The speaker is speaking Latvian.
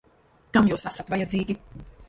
Kam jūs esat vajadzīgi?